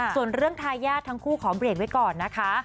ส่วนเรื่องทายาททั้งคู่ขอเบรกไว้ก่อนนะคะ